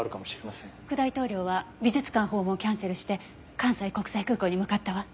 副大統領は美術館訪問をキャンセルして関西国際空港に向かったわ。